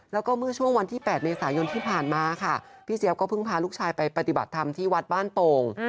แล้วก็เมื่อช่วงวันที่๘เมษายนที่ผ่านมาค่ะพี่เจี๊ยบก็เพิ่งพาลูกชายไปปฏิบัติธรรมที่วัดบ้านโป่ง